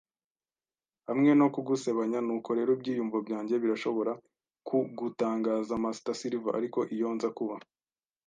hamwe no gusebanya, “nuko rero ibyiyumvo byanjye birashobora kugutangaza, Master Silver. Ariko iyo nza kuba